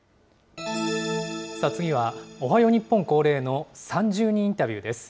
さあ次は、おはよう日本恒例の３０人インタビューです。